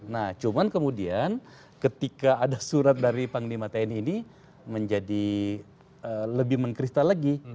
nah cuman kemudian ketika ada surat dari panglima tni ini menjadi lebih mengkristal lagi